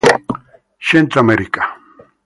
Centro America.